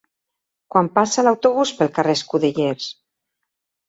Quan passa l'autobús pel carrer Escudellers?